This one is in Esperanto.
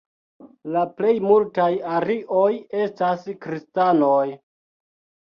La plej multaj arioj estas kristanoj.